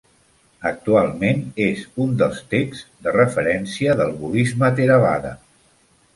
Actualment és un dels texts de referència del budisme theravada.